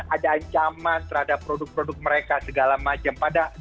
ada ancaman terhadap produk produk mereka segala macam